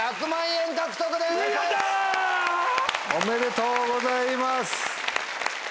おめでとうございます。